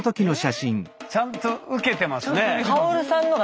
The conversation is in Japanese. ちゃんと受けてますね。